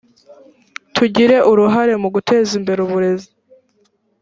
tugire uruhare mu guteza imbere uburezi .